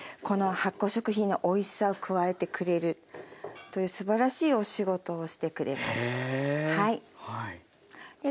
発酵食品のおいしさを加えてくれるというすばらしいお仕事をしてくれます。